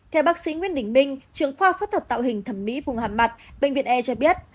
theo bác sĩ nguyễn đình minh trường khoa phẫu thuật tạo hình thẩm mỹ vùng hàm mặt bệnh viện e cho biết